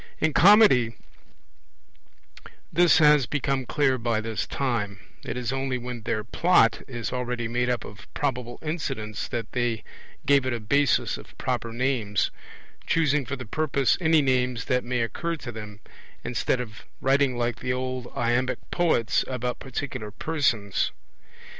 In Comedy this has become clear by this time; it is only when their plot is already made up of probable incidents that they give it a basis of proper names, choosing for the purpose any names that may occur to them, instead of writing like the old iambic poets about particular persons.